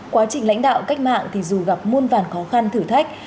quá trình lãnh đạo cách mạng thì dù gặp muôn vàn khó khăn thử thách